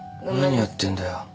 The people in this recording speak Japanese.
何やってんだよ。